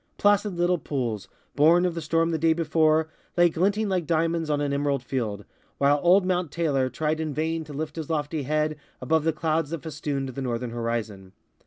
Placid little pools, born of the storm the day before, lay glinting like diamonds on an emerald field, while old Mount Taylor tried in vain to lift his lofty head above the clouds that festooned the northern horizon.